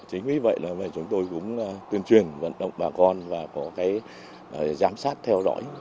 chính vì vậy chúng tôi cũng tuyên truyền vận động bà con và có giám sát theo đuổi